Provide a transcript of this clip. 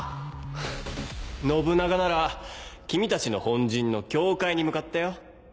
フッ信長なら君たちの本陣の教会に向かったよ。